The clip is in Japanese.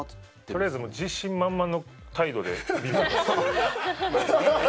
取りあえず自信満々の態度で見ます。